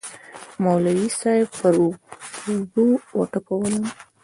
مولوي صاحب پر اوږه وټپولوم.